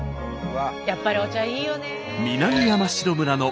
やっぱりお茶いいよね。